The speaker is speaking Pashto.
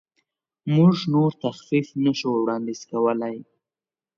موږ نور تخفیف نشو وړاندیز کولی.